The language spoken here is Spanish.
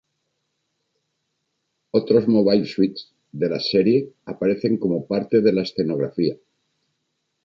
Otros Mobile Suits de la serie aparecen como parte de la escenografía.